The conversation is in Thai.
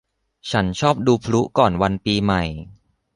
ฉันชอบดูพลุก่อนวันปีใหม่